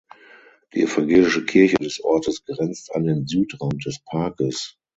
Die Evangelische Kirche des Ortes grenzt an den Südrand des Parkes.